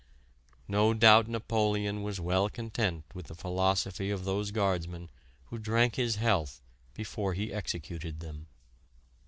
No doubt Napoleon was well content with the philosophy of those guardsmen who drank his health before he executed them.